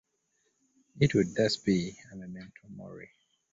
It would thus be a "memento mori".